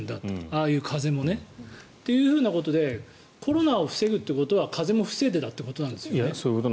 ああいう風邪もね。ということでコロナを防ぐということは風邪も防いでたということなんですよね。